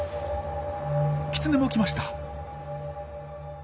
キツネも来ました。